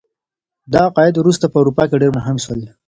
دا عقاید وروسته په اروپا کي ډیر مهم سول.